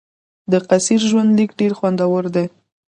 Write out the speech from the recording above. د قیصر ژوندلیک ډېر خوندور دی.